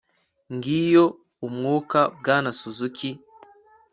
ngiyo umwuka, bwana suzuki